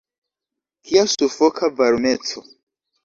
Kia sufoka varmeco!